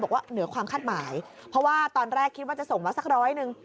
เหนือความคาดหมายเพราะว่าตอนแรกคิดว่าจะส่งมาสักร้อยหนึ่ง